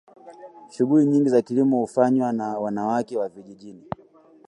shughuli nyingi za kilimo hufanywa na wanawake wa vijijini